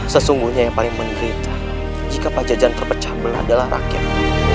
sesungguhnya yang paling menderita jika pajajahan terpecah belah adalah rakyat